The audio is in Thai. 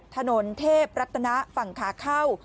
ถนนเทพรัตนะฝั่งขาเข้า